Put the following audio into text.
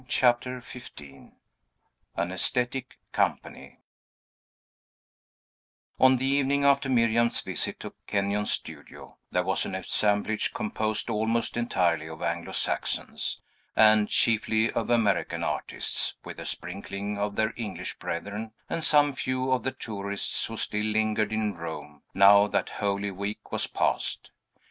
CHAPTER XV AN AESTHETIC COMPANY On the evening after Miriam's visit to Kenyon's studio, there was an assemblage composed almost entirely of Anglo Saxons, and chiefly of American artists, with a sprinkling of their English brethren; and some few of the tourists who still lingered in Rome, now that Holy Week was past.